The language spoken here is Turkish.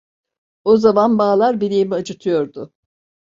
O zaman bağlar bileğimi acıtıyordu…